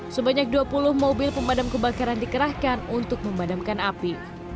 sebanyak dua puluh mobil pemadam kebakaran dikerahkan untuk memadamkan api